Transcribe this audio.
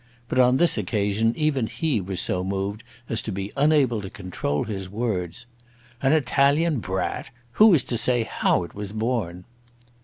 But on this occasion even he was so moved as to be unable to control his words. "An Italian brat? Who is to say how it was born?"